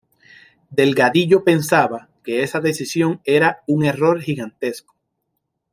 Delgadillo pensaba que esa decisión era un error gigantesco.